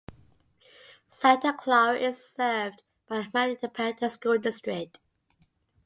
Santa Clara is served by the Marion Independent School District.